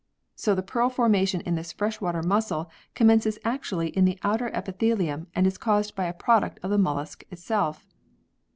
So the pearl formation in this fresh water mussel com mences actually in the outer epithelium and is caused by a product of the mollusc itself.